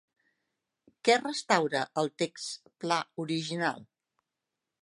Què restaura el text pla original?